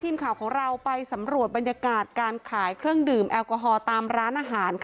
ทีมข่าวของเราไปสำรวจบรรยากาศการขายเครื่องดื่มแอลกอฮอล์ตามร้านอาหาร